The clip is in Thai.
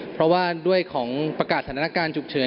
เพราะว่าด้วยของประกาศสถานการณ์ฉุกเฉิน